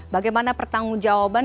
bagaimana pertanggung jawaban